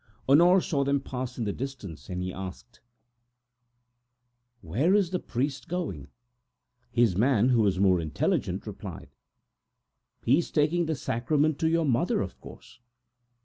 Honore saw them pass in the distance, and he asked: "Where is our priest going to?" And his man, who was more acute, replied: "He is taking the sacrament to your mother, of course!"